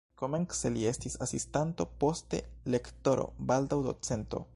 Komence li estis asistanto, poste lektoro, baldaŭ docento.